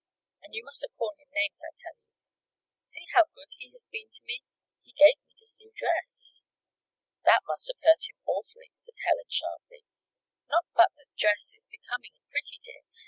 And you mustn't call him names, I tell you. See how good he has been to me. He gave me this new dress." "That must have hurt him awfully," said Helen, sharply. "Not but that the dress is becoming and pretty, dear.